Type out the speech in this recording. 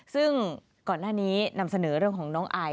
ซึ่งก่อนหน้านี้นำเสนอเรื่องของน้องไอ